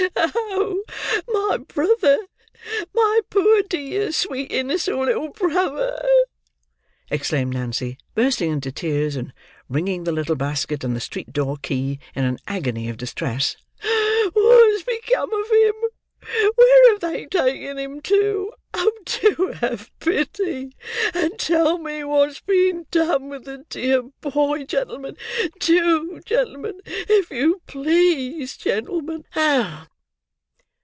"Oh, my brother! My poor, dear, sweet, innocent little brother!" exclaimed Nancy, bursting into tears, and wringing the little basket and the street door key in an agony of distress. "What has become of him! Where have they taken him to! Oh, do have pity, and tell me what's been done with the dear boy, gentlemen; do, gentlemen, if you please, gentlemen!"